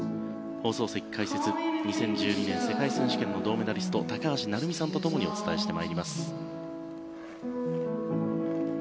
放送席解説は２０１２年世界選手権銅メダリスト高橋成美さんと共にお伝えしていきます。